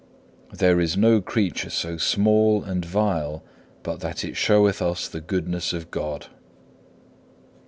There is no creature so small and vile but that it showeth us the goodness of God.